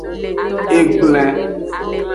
Egblen.